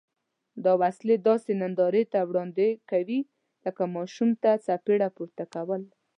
دا وسلې داسې نندارې ته وړاندې کوي لکه ماشوم ته څپېړه پورته کول.